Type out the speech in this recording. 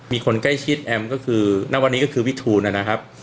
มีคนใกล้ชิดแอมก็คือณวันนี้ก็คือวิทูลนะครับ